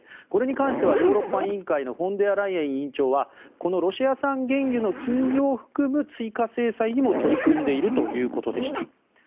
これに関してはヨーロッパ委員会のフォンデアライエン委員長はこのロシア産原油の禁輸を含む追加制裁にも取り組んでいるということでした。